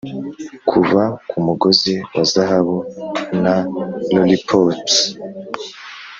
kuva kumugozi wa zahabu, na lollipops,